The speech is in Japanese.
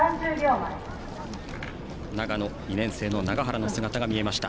長野、２年生の永原の姿が見えました。